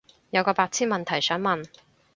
有個白癡問題想問